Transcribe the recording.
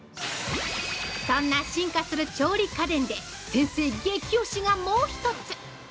そんな進化する調理家電で、先生激推しがもう一つ！